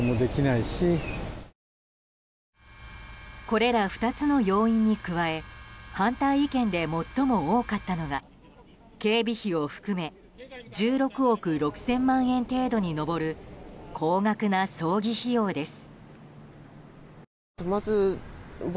これら２つの要因に加え反対意見で最も多かったのが警備費を含め１６億６０００万円程度に上る高額な葬儀費用です。